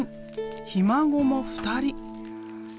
ひ孫も２人。